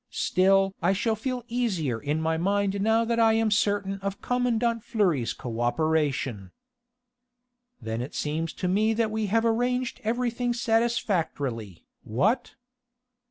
Still! I shall feel easier in my mind now that I am certain of commandant Fleury's co operation." "Then it seems to me that we have arranged everything satisfactorily, what?"